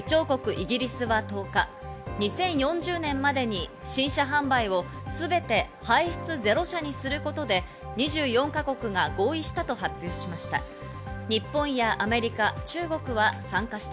イギリスは１０日、２０４０年までに新車販売をすべて排出ゼロ車にすることで２４か国が合意したと発表しました。